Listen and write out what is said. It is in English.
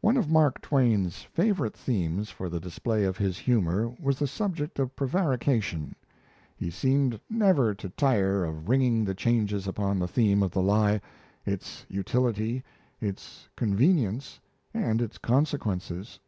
One of Mark Twain's favourite themes for the display of his humour was the subject of prevarication. He seemed never to tire of ringing the changes upon the theme of the lie, its utility, its convenience, and its consequences.